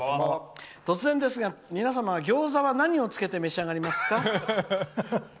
突然ですが、皆様はギョーザは何をつけて召し上がりますか？